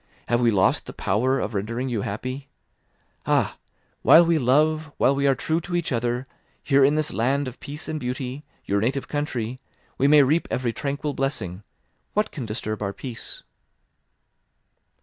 Have we lost the power of rendering you happy? Ah! While we love, while we are true to each other, here in this land of peace and beauty, your native country, we may reap every tranquil blessing—what can disturb our peace?"